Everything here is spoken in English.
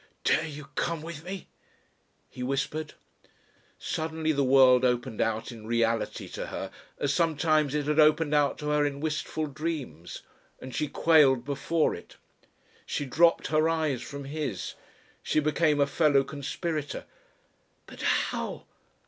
"Dare you come with me?" he whispered. Suddenly the world opened out in reality to her as sometimes it had opened out to her in wistful dreams. And she quailed before it. She dropped her eyes from his. She became a fellow conspirator. "But, how